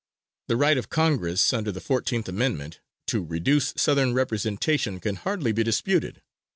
The right of Congress, under the Fourteenth Amendment, to reduce Southern representation can hardly be disputed.